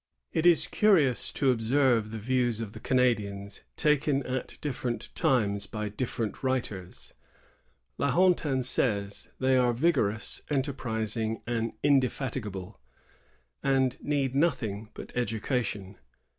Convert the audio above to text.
It is curious to oljscrve the views of the Canadians taken at different times by different writers. La Hontan says :^^ They are vigorous, enterprising, and indefatigable, and need nothing but education.